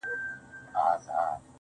• د زنده باد د مردباد په هديره كي پراته.